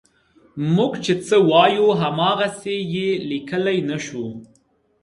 موږ چې څه وایو هماغسې یې لیکلی نه شو.